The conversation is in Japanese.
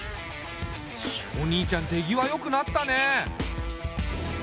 お兄ちゃん手際よくなったね。